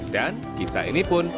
dan kisah ini pun